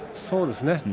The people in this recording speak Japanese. そうですね。